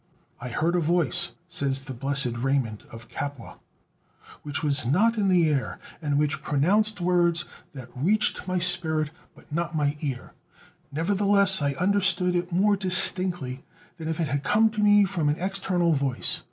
"I heard a voice," says the Blessed Raymond of Capua, "which was not in the air, and which pronounced words that reached my spirit, but not my ear; nevertheless I understood it more distinctly than if it had come to me from an external voice.